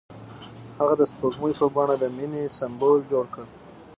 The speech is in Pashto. هغه د سپوږمۍ په بڼه د مینې سمبول جوړ کړ.